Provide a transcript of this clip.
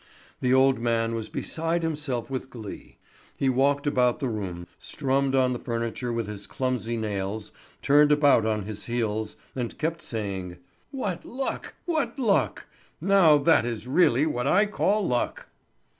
The old man was beside himself with glee. He walked about the room, strummed on the furniture with his clumsy nails, turned about on his heels, and kept saying: "What luck! What luck! Now, that is really what I call luck!"